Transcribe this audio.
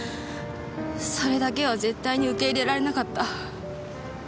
それだけは絶対に受け入れられなかった。